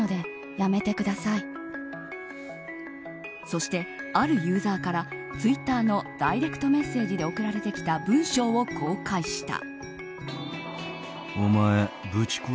そして、あるユーザーからツイッターのダイレクトメッセージで送られてきた文章を公開した。